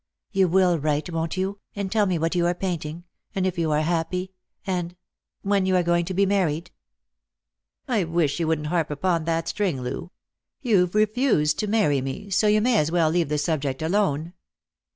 " You will write, won't you, and tell me what you are painting, and if you are happy — and — when you are going to be married ?"" I wish you wouldn't harp upon that string, Loo. You're refused to marry me — so you may as well leave the subject alone."